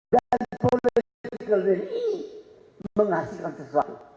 dan political will ini menghasilkan sesuatu